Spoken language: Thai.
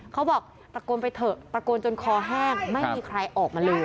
เขาบอกตะโกนไปเถอะตะโกนจนคอแห้งไม่มีใครออกมาเลย